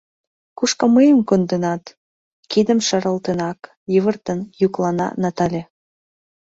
Кушко мыйым конденат? — кидым шаралтенак, йывыртен йӱклана Натале.